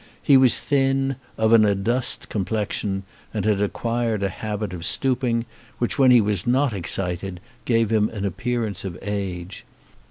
He was thin, of an adust complexion, and had acquired a habit of stooping which, when he was not excited, gave him an appearance of age.